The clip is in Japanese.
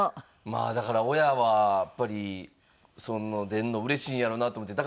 まあだから親はやっぱり出るのうれしいんやろうなと思って。